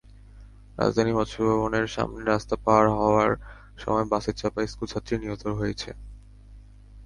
রাজধানীর মৎস্য ভবনের সামনে রাস্তা পার হওয়ার সময় বাসের চাপায় স্কুলছাত্রী নিহত হয়েছে।